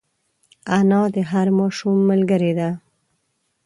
انا د هر ماشوم ملګرې ده